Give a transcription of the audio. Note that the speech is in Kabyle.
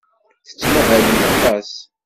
Tettmahalemt aṭas.